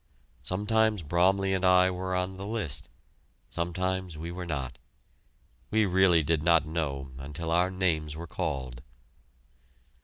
Sometimes Bromley and I were on the list, sometimes we were not. We did not really know until our names were called.